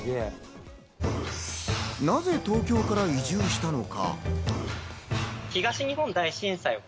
なぜ東京から移住したのか。